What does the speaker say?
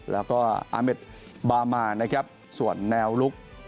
แล้วก็อาเมธบามารส่วนแนวลุก